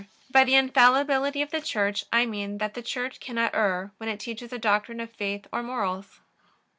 By the infallibility of the Church I mean that the Church cannot err when it teaches a doctrine of faith or morals.